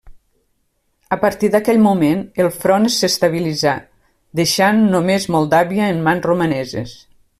A partir d'aquell moment el front s'estabilitzà, deixant només Moldàvia en mans romaneses.